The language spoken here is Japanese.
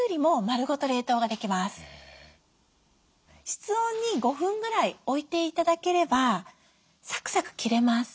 室温に５分ぐらい置いて頂ければサクサク切れます。